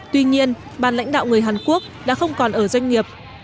tuy nhiên bàn lãnh đạo người hàn quốc đã không còn ở doanh nghiệp